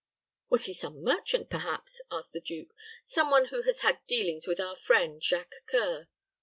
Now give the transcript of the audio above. "Was he some merchant, perhaps?" asked the duke; "some one who has had dealings with our friend, Jacques C[oe]ur?"